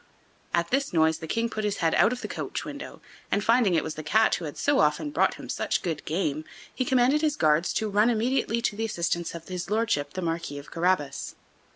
At this noise the King put his head out of the coach window, and, finding it was the Cat who had so often brought him such good game, he commanded his guards to run immediately to the assistance of his Lordship the Marquis of Carabas.